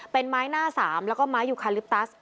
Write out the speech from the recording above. เป็นไม้หน้า๓แล้วก็ไม้ยูคาลิปตัส